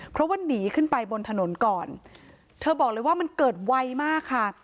เพราะว่าหนีขึ้นไปบนถนนก่อนเธอบอกเลยว่ามันเกิดไวมากค่ะ